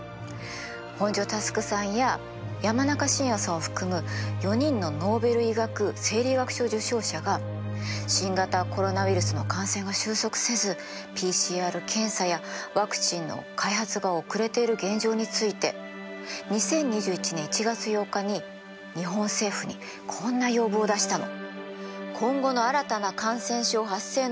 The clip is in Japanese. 本庶佑さんや山中伸弥さんを含む４人のノーベル医学・生理学賞受賞者が新型コロナウイルスの感染が収束せずＰＣＲ検査やワクチンの開発が遅れている現状について２０２１年１月８日に日本政府にこんな要望を出したの。